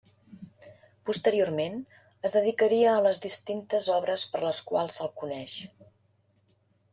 Posteriorment es dedicaria a les distintes obres per les quals se'l coneix.